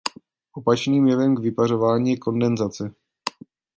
Opačným jevem k vypařování je kondenzace.